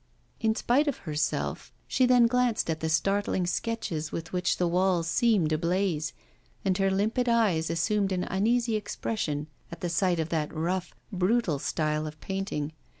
In spite of herself, she then glanced at the startling sketches with which the walls seemed ablaze, and her limpid eyes assumed an uneasy expression at the sight of that rough, brutal style of painting.